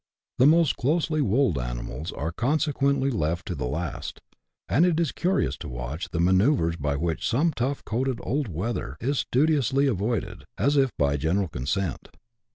The most closely woolled animals are consequently left to the last ; and it is curious to watch the manoeuvres by which some tough coated old wether is studiously avoided, as if by general consent.